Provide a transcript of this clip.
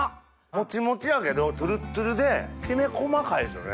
もちもちやけどトゥルットゥルできめ細かいですよね。